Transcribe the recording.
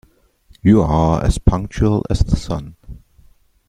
You are as punctual as the sun.